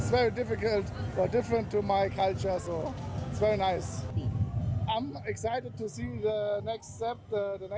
mencari kesempatan untuk mencari kesempatan untuk mencari kesempatan